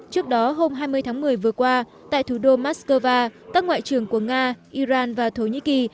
trước đó hôm hai mươi tháng một mươi vừa qua tại thủ đô moscow các ngoại trưởng của nga iran và thổ nhĩ kỳ